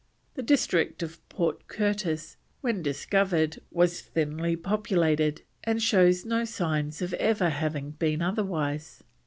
The district of Port Curtis when discovered was very thinly populated, and shows no signs of ever having been otherwise.